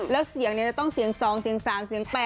แล้วเสียงจะต้องเสียง๒เสียง๓เสียง๘